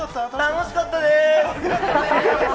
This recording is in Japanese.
楽しかったです！